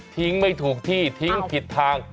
ไม่ถูกที่ทิ้งผิดทาง